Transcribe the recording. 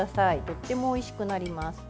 とってもおいしくなります。